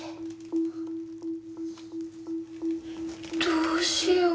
どうしよう。